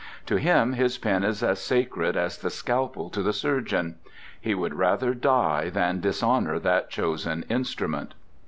To him his pen is as sacred as the scalpel to the surgeon. He would rather die than dishonour that chosen instrument.